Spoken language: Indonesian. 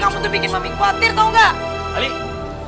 kamu terpikir mamping khawatir tau gak